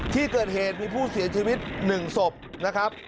ที่เกิดเหตุมีผู้เสียชีวิต๑ศพนะครับ